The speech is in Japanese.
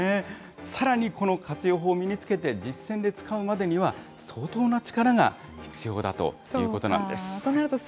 さらにこの活用法を身につけて、実戦で使うまでには、相当な力が必要だということなんです。